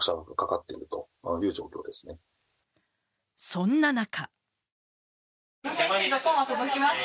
そんな中。